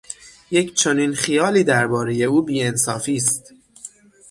یک چنین خیالی در بارهٔ او بی انصافی است.